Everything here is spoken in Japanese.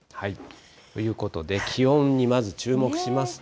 ということで気温にまず注目しますと。